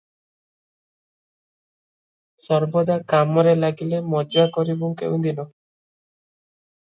ସର୍ବଦା କାମରେ ଲାଗିଲେ ମଜା କରିବୁଁ କେଉଁଦିନ?